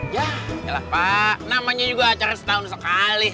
ya ya lah pak namanya juga acara setahun sekali